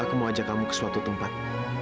aku mau ajak kamu ke suatu tempat